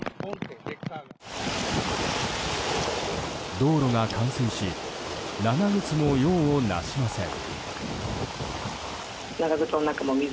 道路が冠水し長靴も用をなしません。